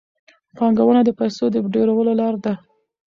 پانګونه د پیسو د ډېرولو لار ده.